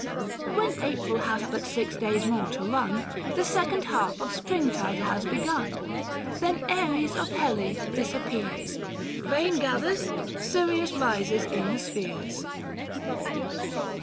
When April hath but six days more to' run The second half of springtide has begun ; 1050 Then Aries of Helle disappears, Kain gathers, Sirius rises in the spheres.